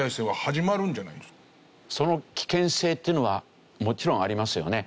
その危険性っていうのはもちろんありますよね。